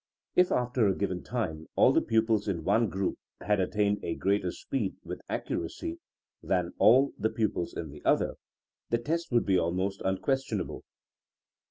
If after a given time all the pu pils in one group had attained a greater speed with accuracy than all the pupils in the other, the test would be almost unquestionable.